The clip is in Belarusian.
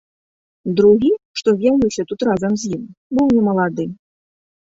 Другі, што з'явіўся тут разам з ім, быў немалады.